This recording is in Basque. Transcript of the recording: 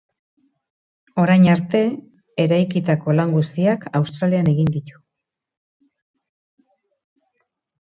Orain arte eraikitako lan guztiak Australian egin ditu.